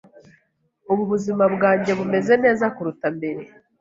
Ubu ubuzima bwanjye bumeze neza kuruta mbere,